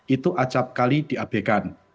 itu acap kali diabekan